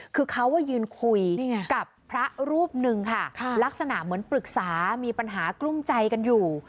คือเขายืนคุยกับพระรูปหนึ่งค่ะลักษณะเหมือนปรึกษามีปัญหากลุ้มใจกันอยู่